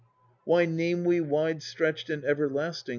"Why name we Wide stretched and everlasting.